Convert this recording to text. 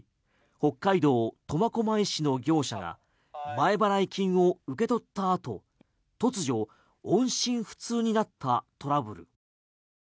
北海道苫小牧市の業者が前払い金を受け取ったあと突如音信不通になったトラブル。